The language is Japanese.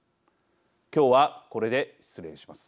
今日はこれで失礼します。